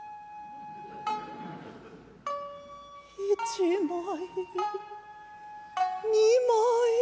「１枚２枚」。